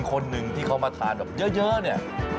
คนหนึ่งที่เขามาทานแบบเยอะเนี่ย